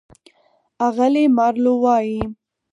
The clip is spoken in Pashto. اغلې مارلو وايي: